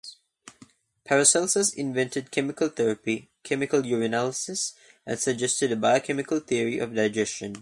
Paracelsus invented chemical therapy, chemical urinalysis, and suggested a biochemical theory of digestion.